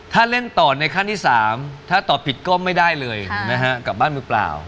ถ้าเล่นต่อในขั้นที่๓ถ้าตอบผิดก็ไม่ได้เลยนะฮะกลับบ้านมือเปล่า